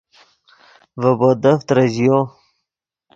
ڤے بودف ترژیو